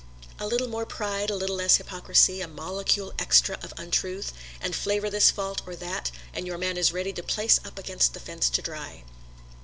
A little more pride, a trifle less hypocrisy, a molecule extra of untruth, and flavor with this fault or that, and your man is ready to place up against the fence to dry.